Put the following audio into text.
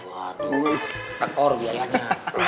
waduh tekor biayanya